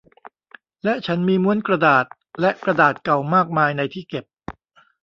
และฉันมีม้วนกระดาษและกระดาษเก่ามากมายในที่เก็บ